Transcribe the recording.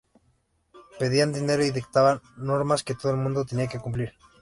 Pedían dinero y dictaban normas que todo el mundo tenía que cumplir.